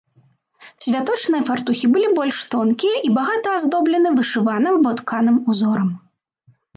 Святочныя фартухі былі больш тонкія і багата аздоблены вышываным або тканым узорам.